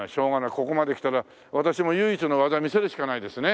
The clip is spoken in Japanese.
ここまできたら私も唯一の技見せるしかないですね。